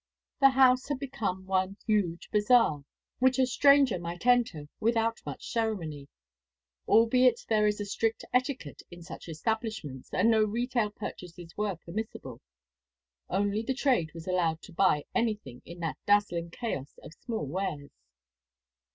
The house had become one huge bazaar, which a stranger might enter without much ceremony; albeit there is a strict etiquette in such establishments, and no retail purchases were permissible. Only the trade was allowed to buy anything in that dazzling chaos of small wares.